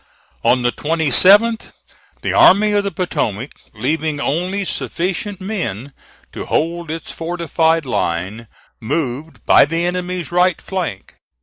On the 27th, the Army of the Potomac, leaving only sufficient men to hold its fortified line, moved by the enemy's right flank.